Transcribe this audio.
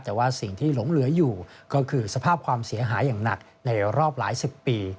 แต่ว่าสิ่งที่หลงเหลืออยู่ก็คือสภาพความเสียหายอย่างหนักในรอบหลายสิบปี